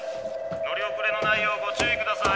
乗り遅れのないようご注意ください。